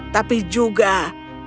tapi juga di dalamnya